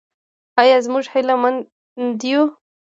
آیا موږ هیله مند یو؟